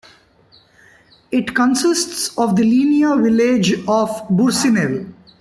It consists of the linear village of Bursinel.